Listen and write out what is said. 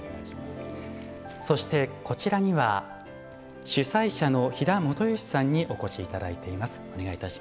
そしてこちらには主宰者の飛騨大富さんにお越し頂いています。